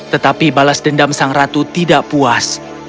tetapi balas dendam sang ratu tidak puas